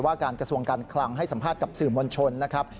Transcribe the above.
การกระทรวงการคลังให้สัมภาษณ์กับสื่อมวลชนนะครับ